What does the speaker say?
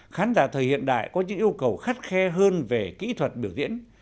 khán giả thời hiện đại có những yêu cầu khắt khe hơn về kỹ thuật biểu diễn